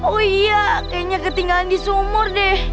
oh iya kayaknya ketinggalan di sumur deh